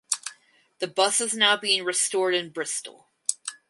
The bus is now being restored in Bristol.